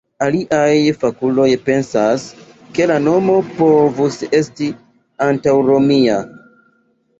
Aliaj fakuloj pensas, ke la nomo povus esti antaŭromia.